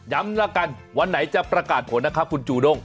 ละกันวันไหนจะประกาศผลนะครับคุณจูด้ง